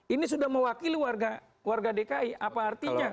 ini sudah mewakili warga dki apa artinya